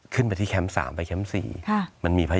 ขึ้นไปที่แคมป์๓ไปแคมป์๔